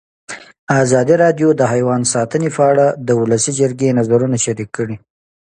ازادي راډیو د حیوان ساتنه په اړه د ولسي جرګې نظرونه شریک کړي.